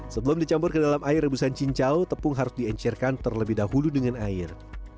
sebelum dicampur ke dalam air rebusan cincau tepung harus diencirkan terlebih dahulu dengan air